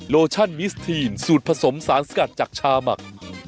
โลชั่นมิสทีนสูตรผสมสารสกัดจากชาหมัก